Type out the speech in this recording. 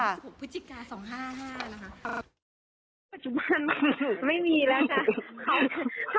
คุณครูบอกว่าปัจจุบันมันไม่มีแล้วค่ะ